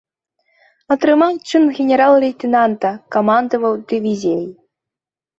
Атрымаў чын генерал-лейтэнанта, камандаваў дывізіяй.